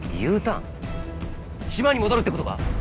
島に戻るってことか？